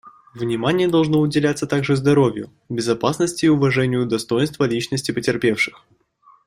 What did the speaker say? Внимание должно уделяться также здоровью, безопасности и уважению достоинства личности потерпевших.